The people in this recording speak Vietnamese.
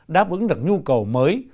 đáp ứng được nhu cầu mới